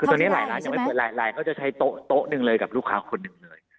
คือตอนนี้หลายร้านยังไม่เปิดหลายลายก็จะใช้โต๊ะหนึ่งเลยกับลูกค้าคนหนึ่งเลย